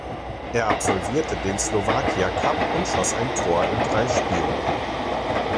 Er absolvierte den Slovakia Cup und schoss ein Tor in drei Spielen.